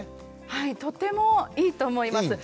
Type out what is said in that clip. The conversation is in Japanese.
はいとてもいいと思います。